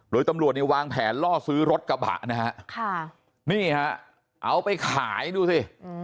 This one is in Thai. โดยตำรวจเนี่ยวางแผนล่อซื้อรถกระบะนะฮะนี่ฮะเอาไปขายดูสิ